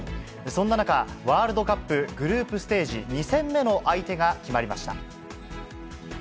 そんな中、ワールドカップグループステージ２戦目の相手が決まりました。